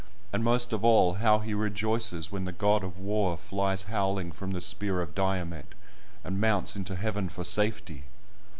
and most of all, how he rejoices when the God of War flies howling from the spear of Diomed, and mounts into heaven for safety!